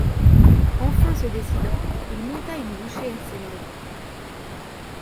Enfin se décidant, il monta une bouchée à ses lèvres.